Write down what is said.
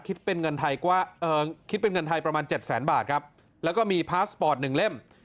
คิดเป็นเงินไทยประมาณ๗๐๐๐๐๐บาทครับแล้วก็มีพาสปอร์ตหนึ่งเล่ม